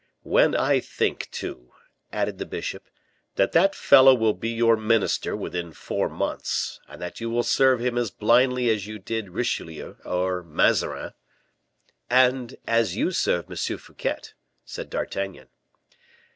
"When I think, too," added the bishop, "that that fellow will be your minister within four months, and that you will serve him as blindly as you did Richelieu or Mazarin " "And as you serve M. Fouquet," said D'Artagnan.